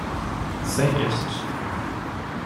Sem estes